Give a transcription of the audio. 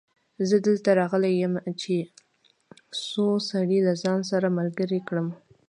زه دلته راغلی يم چې څو سړي له ځانه سره ملګري کړم.